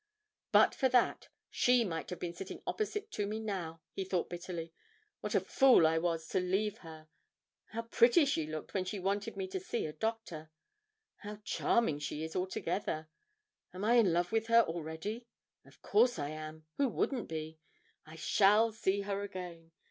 'But for that, she might have been sitting opposite to me now!' he thought bitterly. 'What a fool I was to leave her. How pretty she looked when she wanted me to see a doctor; how charming she is altogether! Am I in love with her already? Of course I am; who wouldn't be? I shall see her again.